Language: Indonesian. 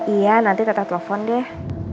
iya nanti teta telfon deh